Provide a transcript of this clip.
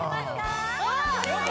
おっ！